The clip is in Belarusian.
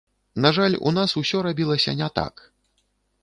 На жаль, у нас усё рабілася не так.